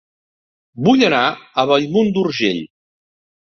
Vull anar a Bellmunt d'Urgell